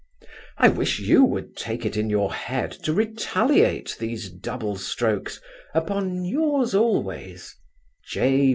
I wish you would take it in your head to retaliate these double strokes upon Yours always, J.